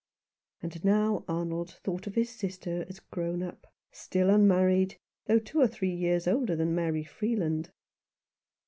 And now Arnold thought of his sister as grown up, still unmarried, though two or three years older than Mary Freeland.